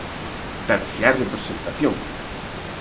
Pero si hai representación.